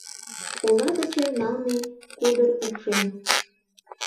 Ола гычын налме кудыр упшем